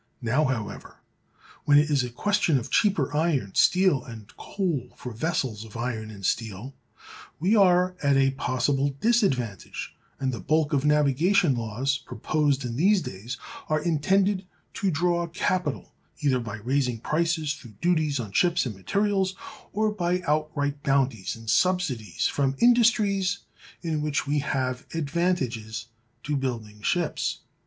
Now, however, when it is a question of cheaper iron, steel, and coal for vessels of iron and steel, we are at a possible disadvantage, and the bulk of navigation laws proposed in these days are intended to draw capital either by raising prices through duties on ships and materials, or by outright bounties and subsidies from industries in which we have advantages, to building ships.